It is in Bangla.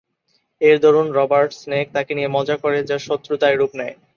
এর দরুন রবার্ট স্নেক তাকে নিয়ে মজা করে, যা শত্রুতায় রুপ নেয়।